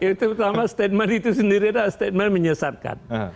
itu pertama statement itu sendiri adalah statement menyesatkan